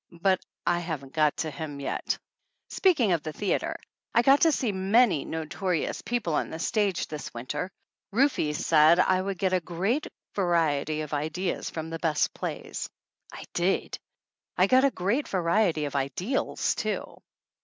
But I haven't got to him yet. Speaking of the theater, I got to see many notorious people on the stage this winter. Ruf e said I would get a great variety of ideas from the best plays. I did. I got a great variety of Ideals too.